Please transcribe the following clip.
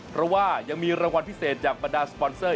เพราะว่ายังมีรางวัลพิเศษจากบรรดาสปอนเซอร์